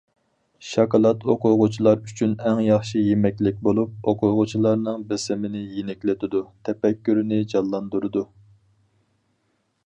شاكىلات ئوقۇغۇچىلار ئۈچۈن ئەڭ ياخشى يېمەكلىك بولۇپ، ئوقۇغۇچىلارنىڭ بېسىمىنى يېنىكلىتىدۇ، تەپەككۇرىنى جانلاندۇرىدۇ.